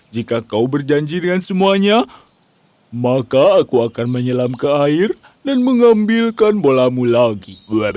jika kau berjanji dengan semuanya maka aku akan menyelam ke air dan mengambilkan bolamu lagi